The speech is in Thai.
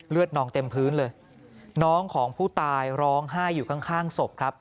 นองเต็มพื้นเลยน้องของผู้ตายร้องไห้อยู่ข้างข้างศพครับ